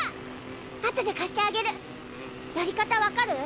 あとで貸してあげるやり方分かる？